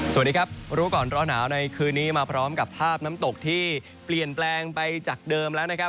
สวัสดีครับรู้ก่อนร้อนหนาวในคืนนี้มาพร้อมกับภาพน้ำตกที่เปลี่ยนแปลงไปจากเดิมแล้วนะครับ